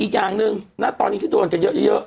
อีกอย่างหนึ่งณตอนนี้ที่โดนกันเยอะ